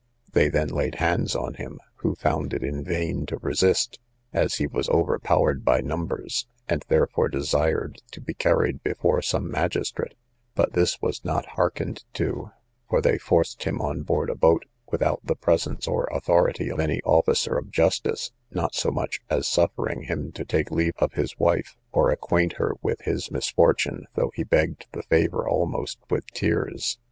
They then laid hands on him, who found it in vain to resist, as he was overpowered by numbers; he therefore desired to be carried before some magistrate, but this was not hearkened to, for they forced him on board a boat, without the presence or authority of any officer of justice, not so much as suffering him to take leave of his wife, or acquaint her with his misfortune, though he begged the favour almost with tears.